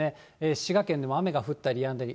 滋賀県でも雨が降ったりやんだり。